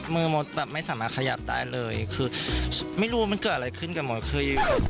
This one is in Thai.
มดแบบไม่สามารถขยับได้เลยคือไม่รู้ว่ามันเกิดอะไรขึ้นกับมดคือ